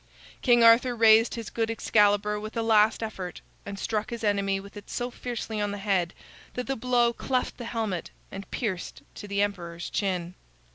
King Arthur raised his good Excalibur with a last effort and struck his enemy with it so fiercely on the head that the blow cleft the helmet and pierced to the emperor's chin.